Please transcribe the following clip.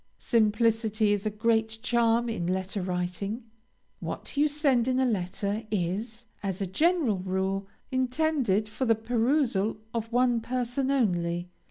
Simplicity is a great charm in letter writing. What you send in a letter, is, as a general rule, intended for the perusal of one person only.